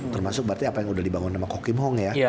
termasuk berarti apa yang udah dibangun sama kok kim hong ya